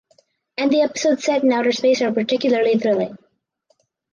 And the episodes set in outer space are particularly thrilling.